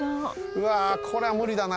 うわあこりゃむりだな。